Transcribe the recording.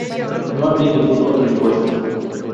No habría ningún otro impuesto.